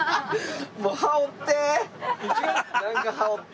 もう羽織って！